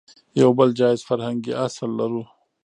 يو بل جايز فرهنګي اصل لرو